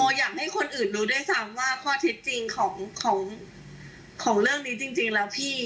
อยากให้คนอื่นรู้ด้วยซ้ำว่าข้อเท็จจริงของเรื่องนี้จริงแล้วพี่